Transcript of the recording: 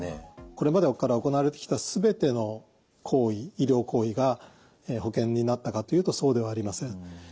これまで行われてきた全ての医療行為が保険になったかというとそうではありません。